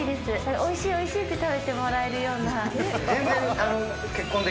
おいしいおいしいって食べてもらえるような。